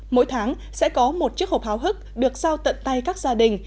mỗi tháng sẽ có một chiếc hộp hào hức được giao tận tay các gia đình